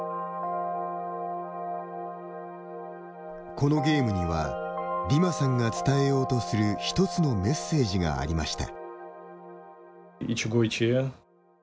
このゲームにはディマさんが伝えようとする一つのメッセージがありました。